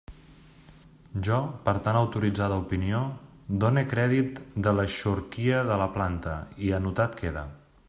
Jo, per tan autoritzada opinió, done crèdit de l'eixorquia de la planta, i anotat queda.